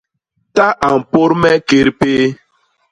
Ta a mpôt me két péé.